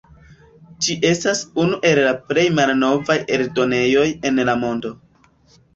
Ĝi estas unu el la plej malnovaj eldonejoj en la mondo.